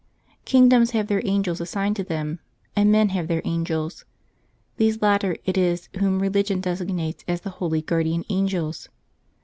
Kingdoms have their angels assigned to them, and men have their angels; these latter it is whom religion desig nates as the Holy Guardian Angels.